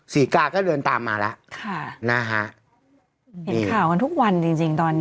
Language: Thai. ศรีกาก็เดินตามมาแล้วค่ะนะฮะเห็นข่าวกันทุกวันจริงจริงตอนนี้